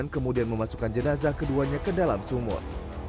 kemudian memasukkan jenazah keduanya ke dalam sumur